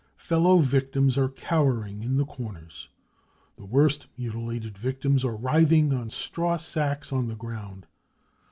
Fellow victims are cowering in the corners ; the worst mutilated victims are writhing on straw sacks on the ground.